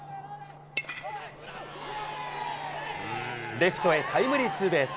レフトへタイムリーツーベース。